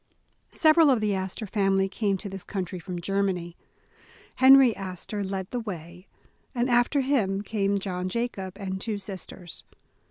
SEVERAL of the Astor family came to this coun try from Germany. Henry Astor led the way, and after him came John Jacob, and two sis ters.